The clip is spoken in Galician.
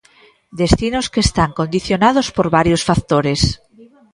Destinos que están condicionados por varios factores.